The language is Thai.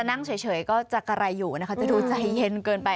นั่งเฉยก็จะกระไรอยู่นะคะจะดูใจเย็นเกินไป